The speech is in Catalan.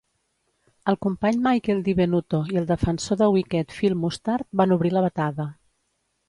El company Michael Di Venuto i el defensor de wicket Phil Mustard van obrir la batada.